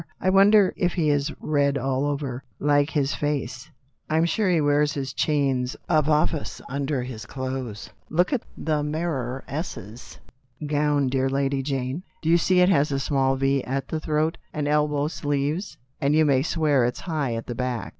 I wonder if he is red all over, like his face ? Fm sure he wears his chains of office under his clothes. Look at the mayoress' gown, dear Lady Jane. Do you see it has a small V at the throat, and tight elbow sleeves, and you may swear it's high at the back